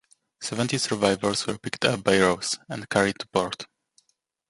Seventy survivors were picked up by "Rose", and carried to port.